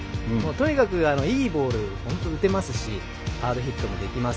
とにかくいいボール打てますしハードヒットもできます